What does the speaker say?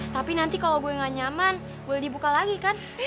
tapi nanti kalau gue gak nyaman boleh dibuka lagi kan